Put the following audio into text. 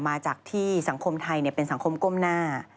มาจากที่สังคมไทยเป็นสังคมก้มหน้า